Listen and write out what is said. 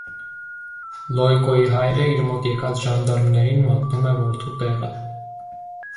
Լոյկոյի հայրը իր մոտ եկած ժանդարմներին մատնում է որդու տեղը։